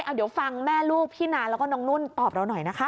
เอาเดี๋ยวฟังแม่ลูกพี่นาแล้วก็น้องนุ่นตอบเราหน่อยนะคะ